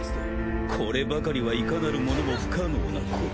こればかりはいかなる者も不可能なこと。